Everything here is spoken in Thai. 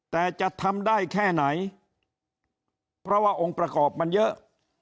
แต่จะทำได้แค่ไหนเพราะว่าองค์ประกอบมันเยอะ